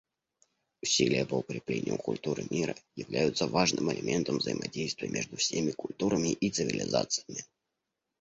Усилия по укреплению культуры мира являются важным элементом взаимодействия между всеми культурами и цивилизациями.